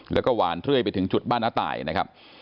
แล้วก็หวานเรื่อยไปถึงจุดบ้านน้าตายนะครับ